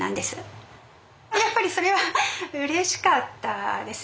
やっぱりそれはうれしかったです。